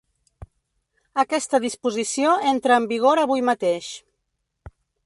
Aquesta disposició entra en vigor avui mateix.